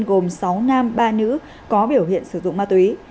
gồm sáu nam ba nữ có biểu hiện sử dụng ma túy